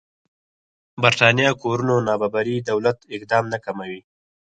برېتانيا کورونو نابرابري دولت اقدام نه کموي.